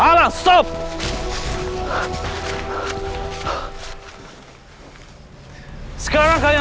ada rusak tuan